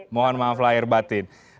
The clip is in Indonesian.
mohon maaf lahir batin